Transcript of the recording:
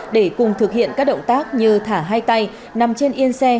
để cùng thực hiện các động tác như thả hai tay nằm trên yên xe